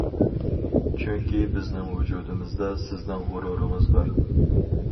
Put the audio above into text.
چۈنكى، بىزنىڭ ۋۇجۇدىمىزدا سىزنىڭ غۇرۇرىڭىز بار!...